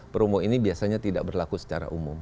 promo ini biasanya tidak berlaku secara umum